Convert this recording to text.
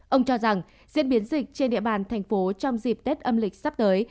ông cho rằng diễn biến dịch trên địa bàn thành phố trong dịp tết âm lịch sắp tới